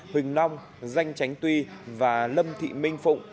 huỳnh long danh tránh tuy và lâm thị minh phụng